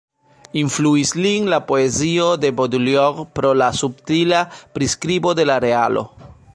Influis lin la poezio de Baudelaire pro la subtila priskribo de la realo.